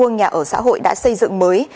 nhà ở xã hội đã xây dựng mới